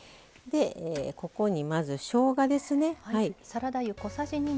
ここにまずしょうがですね。